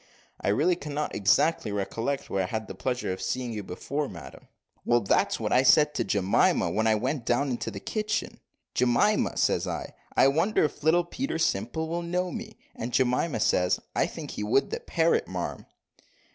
"I really cannot exactly recollect were I had the pleasure of seeing you before, madam." "Well, that's what I said to Jemima, when I went down in the kitchen, `Jemima,' says I, `I wonder if little Peter Simple will know me.' And Jemima says, `I think he would the parrot, marm.'"